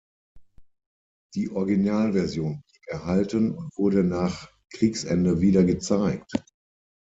Die Originalversion blieb erhalten und wurde nach Kriegsende wieder gezeigt.